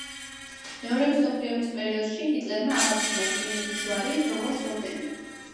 მეორე მსოფლიო ომის პერიოდში ჰიტლერმა აღადგინა „რკინის ჯვარი“, როგორც ორდენი.